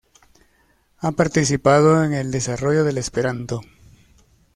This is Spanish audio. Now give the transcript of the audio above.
Ha participado en el desarrollo del esperanto.